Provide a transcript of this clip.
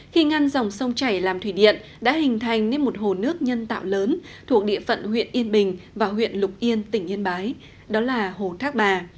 khi ngăn dòng sông chảy làm thủy điện đã hình thành nên một hồ nước nhân tạo lớn thuộc địa phận huyện yên bình và huyện lục yên tỉnh yên bái đó là hồ thác bà